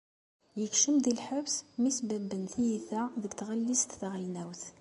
Yekcem di lḥebs mi as-sbabben tiyita deg tɣellist taɣelnawt.